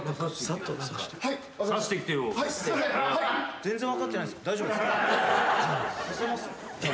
全然分かってないっすよ。